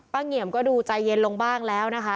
เหงี่ยมก็ดูใจเย็นลงบ้างแล้วนะคะ